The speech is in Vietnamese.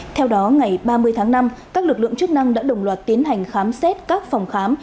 theo đó ngày ba mươi tháng năm các lực lượng chức năng đã đồng loạt tiến hành khám xét các phòng khám